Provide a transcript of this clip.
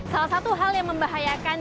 salah satu hal yang membahayakan